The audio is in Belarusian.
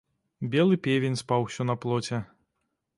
Белы певень спаў усё на плоце.